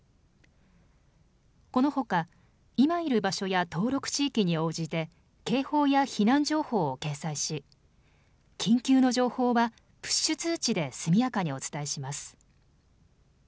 このほか今いる場所や登録地域に応じて警報や避難情報を掲載し緊急の情報はプッシュ通知で速やかにお伝えします。